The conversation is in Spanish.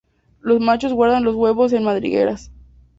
Los machos guardan los huevos en madrigueras.